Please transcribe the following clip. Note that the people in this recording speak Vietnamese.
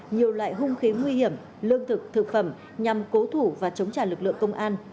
nhiều loại hung khí nguy hiểm lương thực thực phẩm nhằm cố thủ và chống trả lực lượng công an